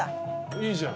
いいじゃん。